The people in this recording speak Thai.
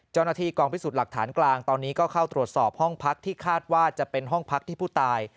เจ้าหน้าที่กองพิสูจน์หลักฐานกลางตอนนี้ก็เข้าตรวจสอบห้องพักที่คาดว่าจะเป็นห้องพักที่ผู้ตาย